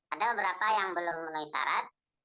ada beberapa yang belum memenuhi syarat